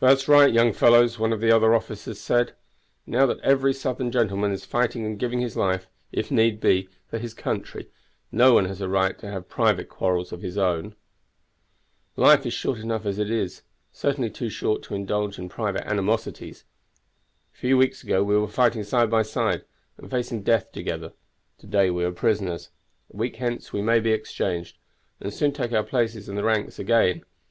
"That's right, young fellows," one of the other officers said. "Now that every Southern gentleman is fighting and giving his life, if need be, for his country, no one has a right to have private quarrels of his own. Life is short enough as it is, certainly too short to indulge in private animosities. A few weeks ago we were fighting side by side, and facing death together; to day we are prisoners; a week hence we may be exchanged, and soon take our places in the ranks again.